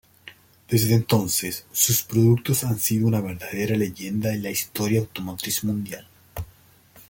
Desde entonces, sus productos han sido una verdadera leyenda en la historia automotriz mundial.